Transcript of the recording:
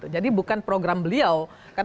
jadi bukan program beliau